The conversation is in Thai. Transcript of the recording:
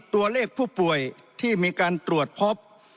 ตัวเลขผู้ป่วยที่มีการตรวจพบ